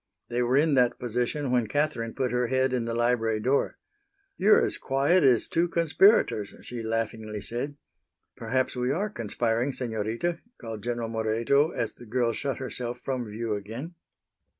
They were in that position when Catherine put her head in the library door. "You're as quiet as two conspirators," she laughingly said. "Perhaps we are conspiring, Senorita," called General Moreto as the girl shut herself from view again.